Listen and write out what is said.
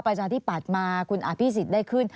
ประชาธิปัตย์มาคุณอภิษฎได้ขึ้น